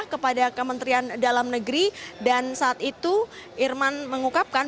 kepada kementerian dalam negeri dan saat itu irman mengukapkan